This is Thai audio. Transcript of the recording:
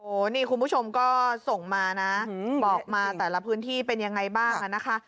โอ้โหนี่คุณผู้ชมก็ส่งมานะบอกมาแต่ละพื้นที่เป็นยังไงบ้างอ่ะนะคะ